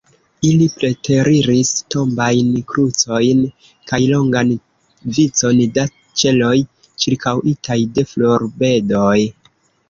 Ili preteriris tombajn krucojn kaj longan vicon da ĉeloj, ĉirkaŭitaj de florbedoj.